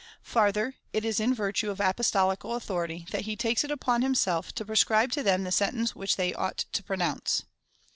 Farther, it is in virtue of apostolical authority, that he takes it uj)on himself to j)rescribe to them the sentence which they ought to pronounce.